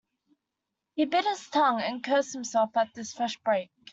He bit his tongue, and cursed himself at this fresh break.